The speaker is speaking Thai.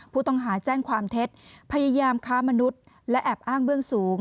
ผู้ต้องหาแจ้งความเท็จพยายามค้ามนุษย์และแอบอ้างเบื้องสูง